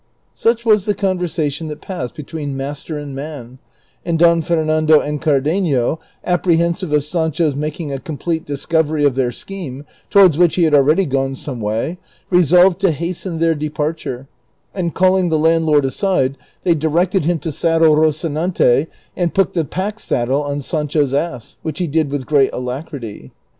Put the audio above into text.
Such was the conversation that passed between master and man; and Don Fernando and Cardenio, apprehensive of Sancho's making a complete discovery of their scheme, towards which he had already gone some way, resolved to hasten their depart ure, and calling the landlord aside, they directed him to saddle Rocinante and put the pack saddle on Sancho's ass, which he did with great alacrity.